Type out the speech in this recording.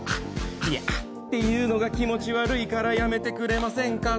いや、アッというのが気持ち悪いからやめてくれませんか？